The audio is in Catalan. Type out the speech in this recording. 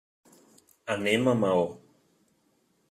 Anem a Maó.